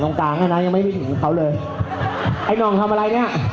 ตรงกลางอ่ะนะยังไม่มีถึงขนาดเขาเลยไอ้นองทำอะไรเนี้ย